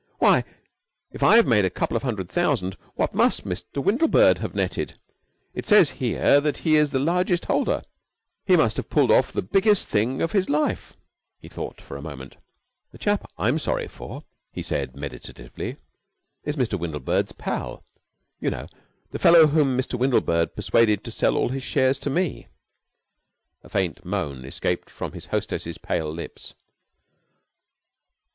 "Why, if I've made a couple of hundred thousand, what must Mr. Windlebird have netted. It says here that he is the largest holder. He must have pulled off the biggest thing of his life." He thought for a moment. "The chap I'm sorry for," he said meditatively, "is Mr. Windlebird's pal. You know. The fellow whom Mr. Windlebird persuaded to sell all his shares to me." A faint moan escaped from his hostess's pale lips.